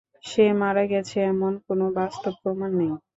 সে মারা গেছে এমন কোনও বাস্তব প্রমাণ নেই।